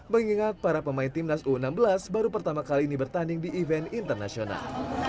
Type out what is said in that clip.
mengingat para pemain timnas u enam belas baru pertama kali ini bertanding di event internasional